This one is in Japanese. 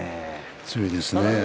強いですね。